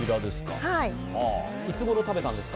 いつごろ食べたんですか？